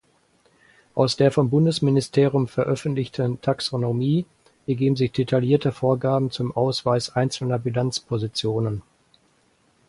Aus der vom Bundesministerium veröffentlichten Taxonomie ergeben sich detaillierte Vorgaben zum Ausweis einzelner Bilanzpositionen.